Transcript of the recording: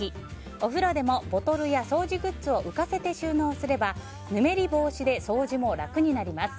お風呂でもボトルや掃除グッズを浮かせて収納すればぬめり防止で掃除も楽になります。